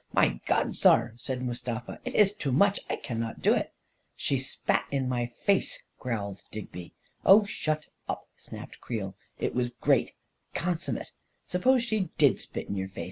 My God, saar," said Mustafa, " it iss too much — I can not do it !" 14 She spat in my face !" growled Digby. " Oh, shut up !" snapped Creel. " It was great — consummate ! Suppose she did spit in your face?